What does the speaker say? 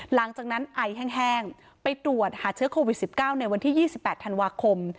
หลังจากนั้นไอแห้งแห้งไปตรวจหาเชื้อโควิดสิบเก้าในวันที่ยี่สิบแปดธันวาคม